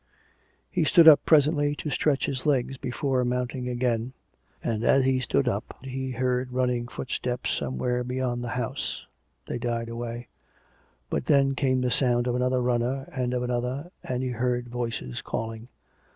He stood up presently to stretch his legs before mounting again, and as he stood up he heard running footsteps some where beyond the house : they died away ; but then came the sound of another runner, and of another, and he heard voices calling.